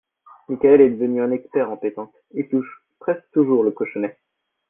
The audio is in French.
Michaël est devenu un expert en pétanque, il touche presque toujours le cochonnet